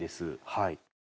はい。